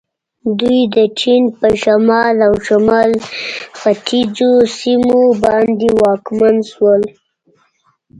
دوی د چین په شمال او شمال ختیځو سیمو باندې واکمن شول.